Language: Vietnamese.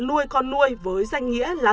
nuôi con nuôi với danh nghĩa là